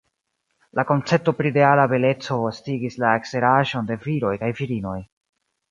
La koncepto pri ideala beleco estigis la eksteraĵon de viroj kaj virinoj.